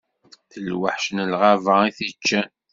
D lweḥc n lɣaba i t-iččan.